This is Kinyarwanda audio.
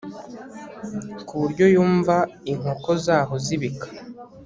ku buryo yumva inkoko zaho zibika